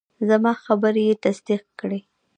زما خبرې یې تصدیق کړې.